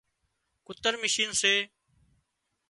ڪُتر مشينَ سي